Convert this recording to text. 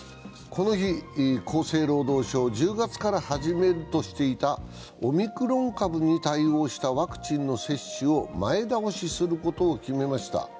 この日、厚生労働省は１０月から始めるとしていたオミクロン株に対応したワクチンの接種を前倒しすることを決めました。